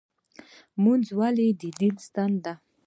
لمونځ ولې د دین ستون دی؟